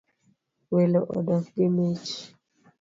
Welo odok gi mich